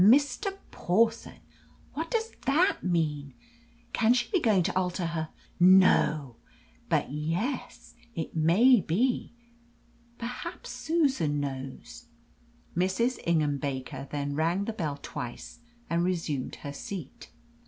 "Mr. Pawson what does that mean? Can she be going to alter her no! But yes, it may be! Perhaps Susan knows." Mrs. Ingham Baker then rang the bell twice, and resumed her seat.